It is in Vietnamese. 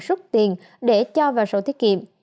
rút tiền để cho vào sổ tiết kiệm